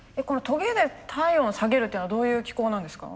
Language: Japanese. トゲで体温を下げるっていうのはどういう機構なんですか？